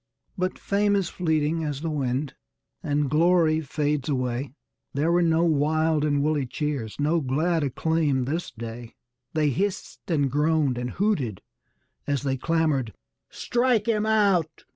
But fame is fleeting as the wind, and glory fades away; There were no wild and woolly cheers, no glad acclaim this day. They hissed and groaned and hooted as they clamored, "Strike him out!"